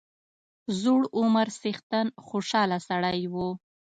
زوړ عمر څښتن خوشاله سړی وو.